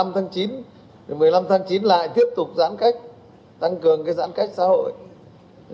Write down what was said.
một mươi năm tháng chín một mươi năm tháng chín là anh tiếp tục giãn cách tăng cường cái giãn cách xã hội